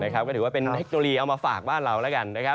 ก็ถือว่าเป็นเทคโนโลยีเอามาฝากบ้านเราแล้วกัน